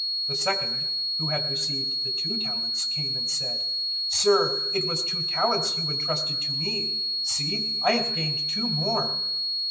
025:022 "The second, who had received the two talents, came and said, "`Sir, it was two talents you entrusted to me: see, I have gained two more.'